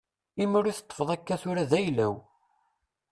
Imru i teṭṭfeḍ akka tura d ayla-w.